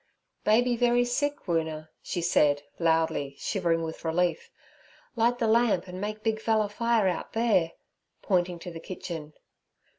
'Baby very sick, Woona' she said loudly, shivering with relief. 'Light the lamp, and make big fella fire out there' pointing to the kitchen.